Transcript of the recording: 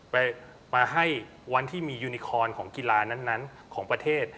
มาให้วันที่มียูนิคอนของกีฬานั้นของประเทศ